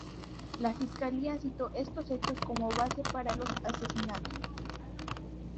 La fiscalía citó estos hechos como base para los asesinatos.